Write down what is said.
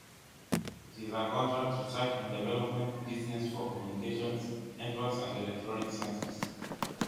It is a contract research and development business for communications, networks, and electronic sensors.